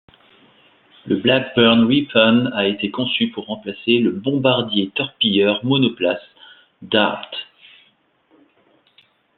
Le Blackburn Ripon a été conçu pour remplacer le bombardier-torpilleur monoplace Dart.